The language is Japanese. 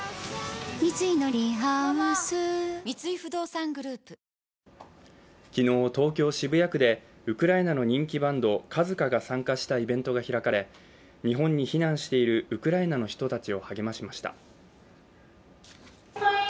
サントリー天然水「ＴＨＥＳＴＲＯＮＧ」激泡昨日、東京・渋谷区でウクライナの人気バンド、ＫＡＺＫＡが参加したイベントが開かれ日本に避難しているウクライナの人たちを励ましました。